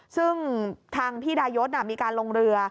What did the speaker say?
ซึ่งทางพี่ดายศมีการลงเรือ